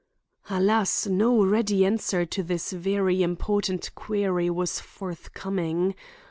Alas, no ready answer to this very important query was forthcoming.